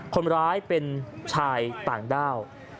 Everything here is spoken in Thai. คนร้ายเป็นชายต่างด้าว